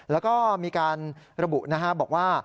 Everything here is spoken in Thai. แล้วก็มีการระบุนะครับบอกว่า